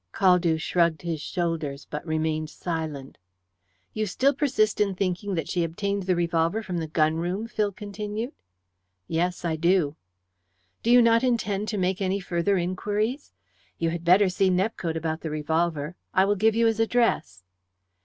Caldew shrugged his shoulders, but remained silent. "You still persist in thinking that she obtained the revolver from the gun room?" Phil continued. "Yes, I do." "Do you not intend to make any further inquiries? You had better see Nepcote about the revolver. I will give you his address."